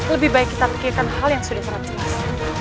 lebih baik kita pikirkan hal yang sudah sangat jelas